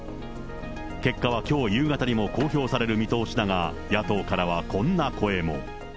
結果はきょう夕方にも公表される見通しだが、野党からはこんな声も。